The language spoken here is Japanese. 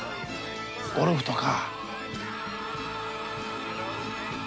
ゴルフとか。